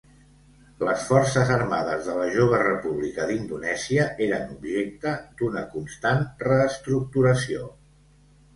Les forces armades de la jove República d'Indonèsia eren objecte d'una constant reestructuració.